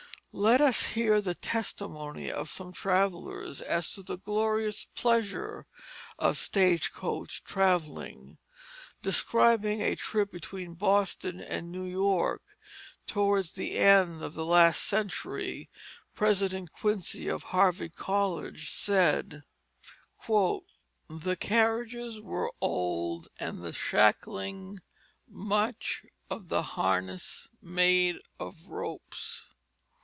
Let us hear the testimony of some travellers as to the glorious pleasure of stage coach travelling. Describing a trip between Boston and New York towards the end of the last century President Quincy of Harvard College said: "The carriages were old and the shackling and much of the harness made of ropes.